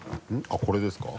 あっこれですか？